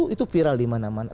itu viral dimana mana